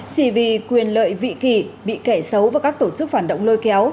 chỉ vì quyền lợi vị kỳ bị kẻ xấu và các tổ chức phản động lôi kéo